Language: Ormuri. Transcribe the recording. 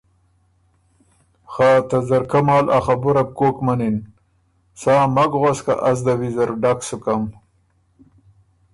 خه ته ځرکۀ مال ا خبُره بو کوک منِن۔ سا مک غؤس که از ده ویزر ډک سکم